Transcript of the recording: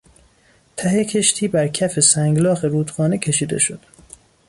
ته کشتی بر کف سنگلاخ رودخانه کشیده شد.